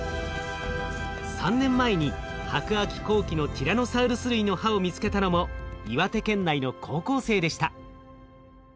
３年前に白亜紀後期のティラノサウルス類の歯を見つけたのも岩手県内の高校生でした。